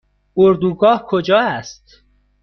اردوگاه کجا است؟